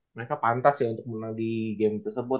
mereka pantas ya untuk menang di game tersebut